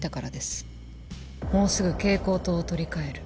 もうすぐ蛍光灯を取り換える。